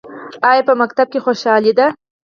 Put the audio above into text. ایا په مکتب کې خوشحاله دي؟